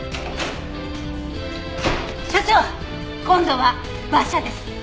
今度は馬車です。